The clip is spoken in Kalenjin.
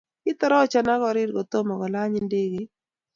Kitorocha akorir kotomo kolany indeget